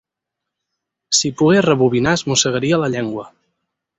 Si pogués rebobinar es mossegaria llengua.